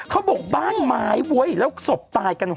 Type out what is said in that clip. เขาบอกบ้านไม้เว้ยแล้วศพตายกัน